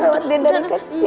bawa dia dari kecil